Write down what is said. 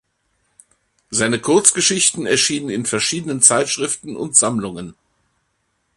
Seine Kurzgeschichten erschienen in verschiedenen Zeitschriften und Sammlungen.